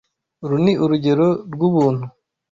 Uru ni urugero rwubuntu.